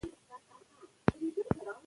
د افغانستان تاریخ باید په دقت وڅېړل سي.